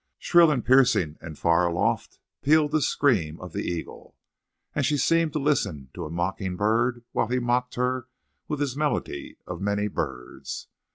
Shrill and piercing and far aloft pealed the scream of the eagle. And she seemed to listen to a mocking bird while he mocked her with his melody of many birds.